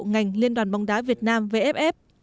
ngành liên đoàn bóng đá việt nam về ép ép